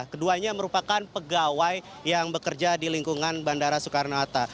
keduanya merupakan pegawai yang bekerja di lingkungan bandara soekarno hatta